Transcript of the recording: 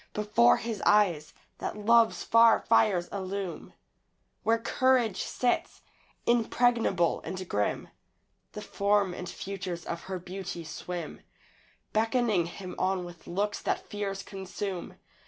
Before his eyes that love's far fires illume Where courage sits, impregnable and grim The form and features of her beauty swim, Beckoning him on with looks that fears consume.